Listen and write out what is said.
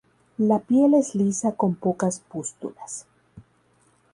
La piel es lisa con pocas pústulas.